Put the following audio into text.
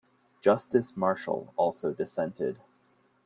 Justice Marshall also dissented.